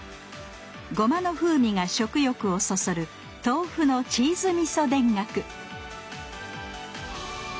ごまの風味が食欲をそそる「豆腐のチーズみそ田楽」